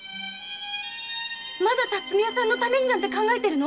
まだ「巽屋さんのために」なんて考えてるの？